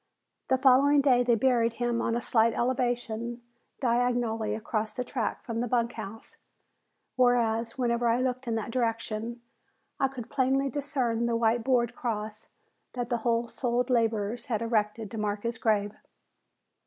The following day they buried him on a slight elevation, diagonally across the track from the bunk house, where, whenever I looked in that direction, I could plainly discern the white board cross that the whole souled laborers had erected to mark his grave.